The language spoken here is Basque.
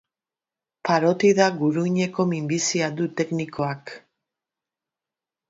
Parotida guruineko minbizia du teknikoak.